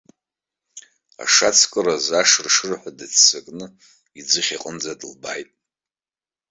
Ашацкыраз ашыршырҳәа дыццакны иӡыхь аҟынӡа дылбааит.